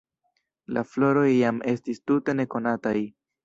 La floroj jam estis tute nekonataj.